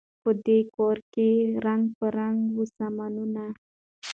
په دې کورکي رنګ په رنګ وه سامانونه